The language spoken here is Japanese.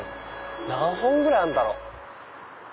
何本くらいあるんだろう？